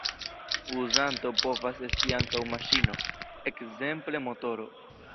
Uzanto povas esti ankaŭ maŝino, ekzemple motoro.